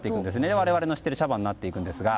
我々の知っている茶葉になっていくんですが。